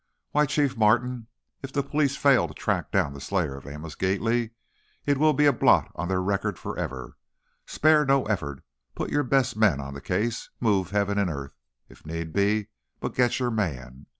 "Why, Chief Martin, if the police fail to track down the slayer of Amos Gately, it will be a blot on their record forever! Spare no effort, put your best men on the case, move heaven and earth, if need be, but get your man!